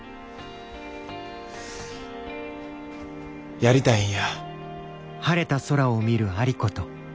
やりたいんや。